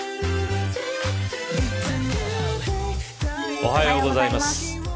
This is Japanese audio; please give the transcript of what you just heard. おはようございます。